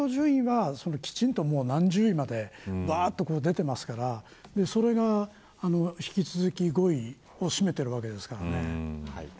公務からは外れているんだけれども継承順位はきちんと何十位まで出ていますからそれが引き続き５位を占めているわけですからね。